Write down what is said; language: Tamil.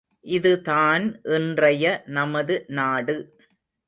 இதுதான் இன்றைய நமது நாடு.